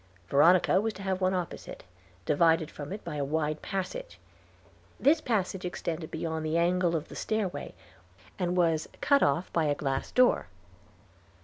Veronica was to have one opposite, divided from it by a wide passage. This passage extended beyond the angle of the stairway, and was cut off by a glass door.